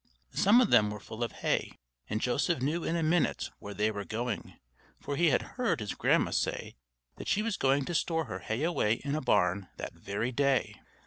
Some of them were full of hay; and Joseph knew in a minute, where they were going, for he had heard his Grandma say that she was going to store her hay away in a barn, that very day.